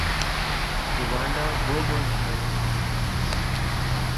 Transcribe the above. Rwanda وہ ملک ہے۔